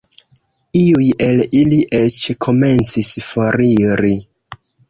Iuj el ili eĉ komencis foriri.